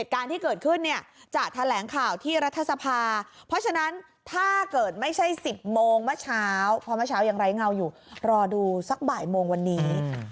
พอเมื่อเช้ายังไร้เงาอยู่รอดูสักบ่ายโมงวันนี้